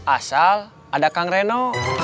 asal ada kang reno